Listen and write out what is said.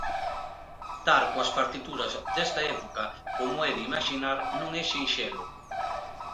Dar coas partituras desta época, como é de imaxinar non é sinxelo.